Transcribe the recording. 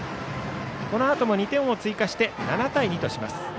このあとも２点を追加して７対２とします。